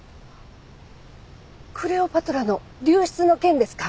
クレオパトラの流出の件ですか？